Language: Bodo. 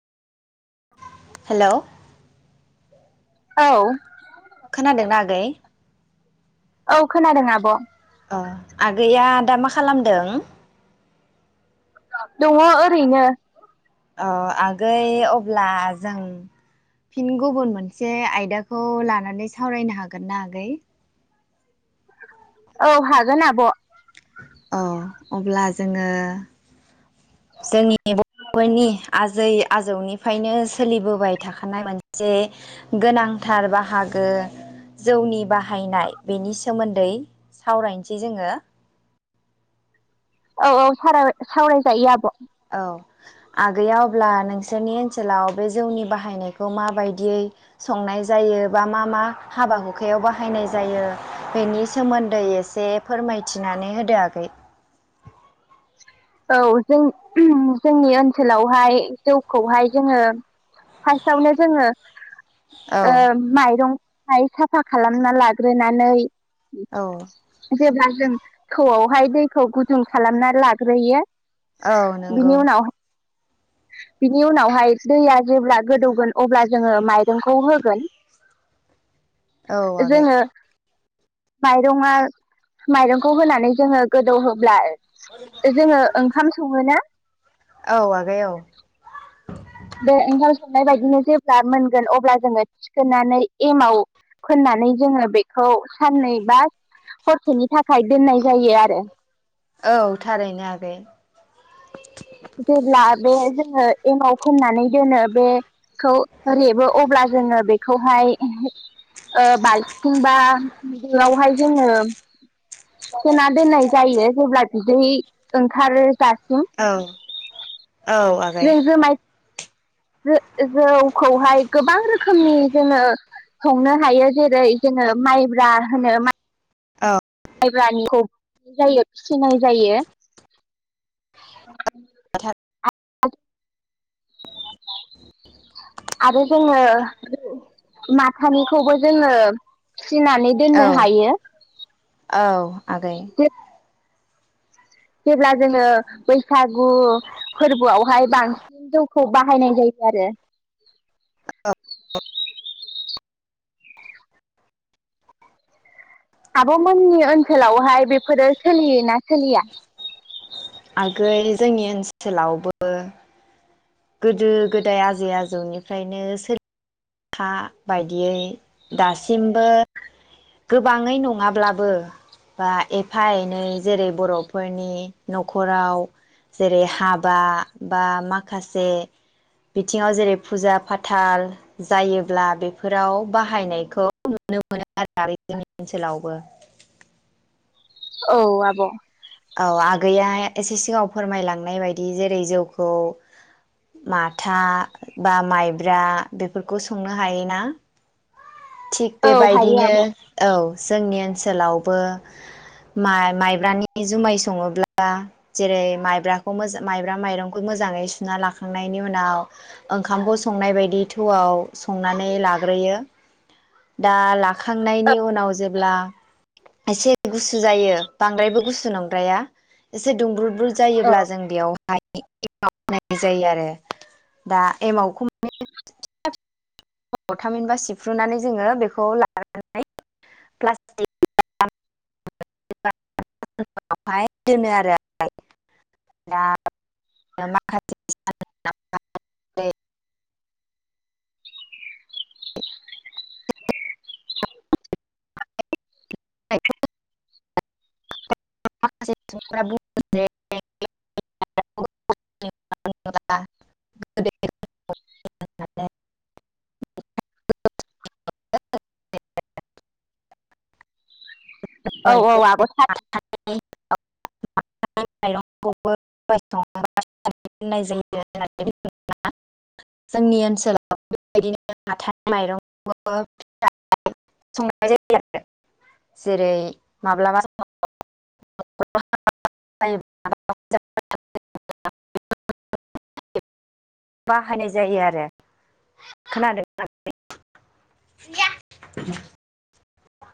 हेलौ औ। खोनादोंना आगै? औ खोनादों आब। अ आगैया दा मा खालामदों? दङ ओरैनो। आगै अब्ला जों फिन गुबुन मोनसे आयदाखौ लानानै सावरायनो हागोन ना आगै? औ हागोन आब। अ अब्ला जोङो जोंनि बइनि आजै आजौनिफ्रायनो सोलिबोबाय थाखानाय मोनसे गोनांथार बाहागो जौनि बाहायनाय बेनि सोमोन्दै सावरायनोसै जोङो। औ औ सराय सावरायजायो आब। औ आगैया अब्ला नोंस बिसोरनि ओनसोलाव बे जौनि बाहायनायखौ माबायदियै संनाय जायो बा मा मा हाबा हुखायाव बाहायनाय जायो बेनि सोमोन्दै एसे फोरमायथिनानै होदो आगै औ जों ओ जोंनि ओनसोलावहाय जौखौहाय जोङो फार्स्टआवनो जोङो ओ औ माइरं ओमफ्राय साफा खालामना लाग्रोनानै औ। जेब्ला जों थौआवहाय दैखौ गुदुं खालामनानै लाग्रोयो औ नंगौ। बिनि उनाव बिनि उनावहाय दैया जेब्ला गोदौगोन अब्ला जोङो माइरंखौ होगोन औ आगै। माइरंआ माइरंखौ होनानै जोङो गोदौ होब्ला अ [inaudible] जोङो ओंखाम सङो ना? औ आगै औ बिदिनो जेब्ला मोनगोन अब्ला जोङो थिखोनानै एमाव फोननानै जोङो बेखौ साननै बा हरसेनि थाखाय दोननाय जायो आरो औ थारैनो आगै। जेब्ला बे जोङो एमाव फोननानै दोनो बेखौ रेबो अब्ला जोङो बेखौ खौहाय ओ बालथिंबा दोआवहाय जोङो सोना दोननाय जायो जेब्ला बिदै ओंखारो जासिम औ। औ आगै। जो जौखौहाय गोबां रोखोमनि जोङो संनो हायो जेरै जोङो माइब्रा होनो औ। मायब्रानिखौ जायो फिसिनाय जायो आरो जोङो माथानिखौबो जोङो फिसिनानै दोननो औ हायो औ आगै जेब्ला जोङो बैसागु फोरबोआवहाय बांसिन जौखौ बाहायनाय जायो आरो आबमोननि ओनसोलावहाय बेफोरो सोलियोना सोलिया? आगै जोंनि ओनसोलावबो गोदो गोदाय आजै आजौनिफ्रायनो सोलि फा बायदियै दासिमबो गोबाङै नङाब्लाबो बा एफा एनै जेरै बर'फोरनि नखराव जेरै हाबा बा माखासे बिथिङाव जेरै फुजा फाथाल जायोब्ला बेफोराव बाहायनायखौ नुनो मोनो आरो जोंनि ओनसोलावबो औ आब। औ आगैया एसे सिगाङाव फोरमायलांनाय बायदि जेरै जौखौ माथा बा माइब्रा बेफोरखौ संनो हायोना? थिग औ हायो बेबायदिनो आब' औ जोंनि ओनसोलाव बो माइ माइब्रानि जुमाय सङोब्ला जेरै माइब्राखौ माइब्रा माइरंखौ मोजाङै सुना लाखांनायनि उनाव ओंखामखौ संनाय बायदि थौआव संनानै लाग्रोयो दा लाखांनायनि उनाव जेब्ला एसे गुसु जायो बांद्रायबो गुसु नंद्राया एसे दुंब्रु ब्रु औ जायोब्ला जों बेयाव एमाव होननाय जायो आरो दा एमावखौ थामिनबा सिफ्र्रुनानै जोङो बेखौ लानानै प्लास्टिकआवहाय दोनो आरो दा माखासे [unintelligible] माखासे सुबुं बुं जे [unintelligible] [inaudible] [inaudible] [inaudible] औ जे औ आब' सारि [unintelligible] जोंनि ओनसोलाव बेबादिनो माथानि माइरंखौबो फिथा संनायजायोआरो। जेरै माब्लाबा समाव [unintelligible] [unintelligible] बाहायनाय जायो आरो खोनादों [unintelligible] या